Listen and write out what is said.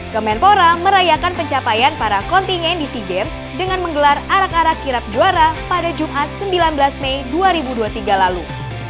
kemenpora merayakan pencapaian para kontingen di sea games dengan menggelar arak arak kirap juara pada jumat sembilan belas mei dua ribu dua puluh tiga lalu